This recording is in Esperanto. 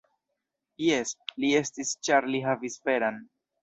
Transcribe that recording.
Jes, li estis ĉar li havis veran.